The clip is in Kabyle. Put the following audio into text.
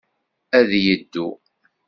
Ad yeddu.